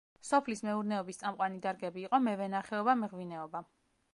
სოფლის მეურნეობის წამყვანი დარგები იყო მევენახეობა-მეღვინეობა.